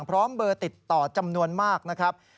พร้อมเบอร์ติดต่อจำนวนมากนะครับ